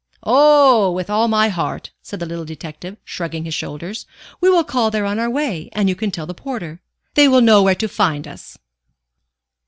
"Oh, with all my heart," said the little detective, shrugging his shoulders. "We will call there on our way, and you can tell the porter. They will know where to find us."